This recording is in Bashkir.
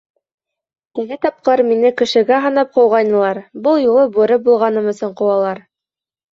Теге тапҡыр мине кешегә һанап ҡыуғайнылар, был юлы бүре булғаным өсөн ҡыуалар.